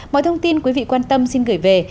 mọi thông tin quý vị quan tâm xin gửi về